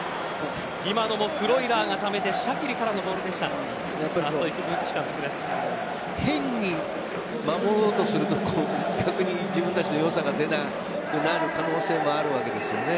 今のもフロイラーがためて変に守ろうとすると逆に自分たちの良さが出なくなる可能性もあるわけですよね。